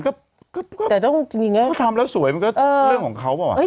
ก็ทำแล้วสวยมันก็เรื่องของเขาป่าว